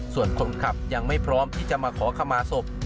ส่วนคนขับยังไม่พร้อมที่จะมาขอขมาศพ